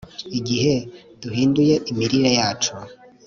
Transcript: igihe duhinduye imirire yacu